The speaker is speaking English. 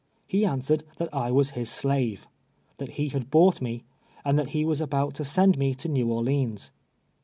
He answered that I was his slave — that he had bought me, and that he was about to send me to Xew Orleans.